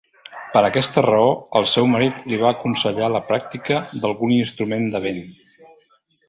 Per aquesta raó, el seu marit li va aconsellar la pràctica d'algun instrument de vent.